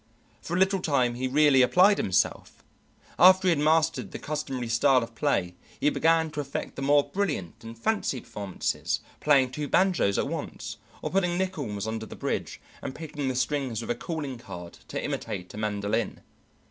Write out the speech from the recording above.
For a little time he really applied himself; after he had mastered the customary style of play he began to affect the more brilliant and fancy performances, playing two banjos at once, or putting nickels under the bridge and picking the strings with a calling card to imitate a mandolin.